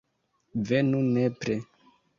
Venu nepre.